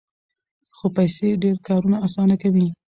خو پیسې ډېر کارونه اسانه کوي.